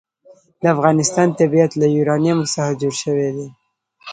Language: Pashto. د افغانستان طبیعت له یورانیم څخه جوړ شوی دی.